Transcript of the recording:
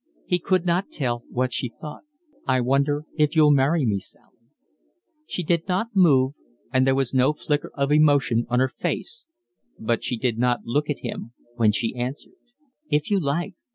He could not tell what she thought. "I wonder if you'll marry me, Sally." She did not move and there was no flicker of emotion on her face, but she did not look at him when she answered. "If you like."